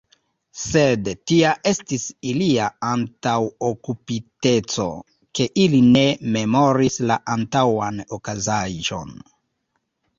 Sed tia estis ilia antaŭokupiteco, ke ili ne memoris la antaŭan okazaĵon.